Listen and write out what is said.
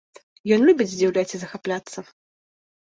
Ён любіць здзіўляць і захапляцца.